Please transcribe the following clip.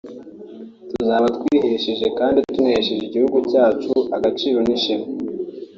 tuzaba twihesheje kandi tunahesheje igihugu cyacu agaciro n’ishema